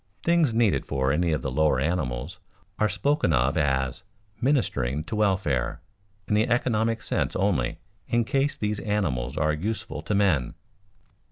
Things needful for any of the lower animals are spoken of as "ministering to welfare" in the economic sense only in case these animals are useful to men.